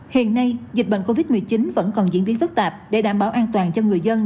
hiện nay dịch bệnh covid một mươi chín vẫn còn diễn biến phức tạp để đảm bảo an toàn cho người dân